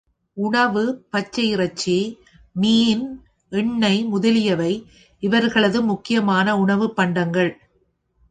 உணவு பச்சை இறைச்சி, மீன், எண்ணெய் முதலியவை இவர்களது முக்கியமான உணவுப் பண்டங்கள்.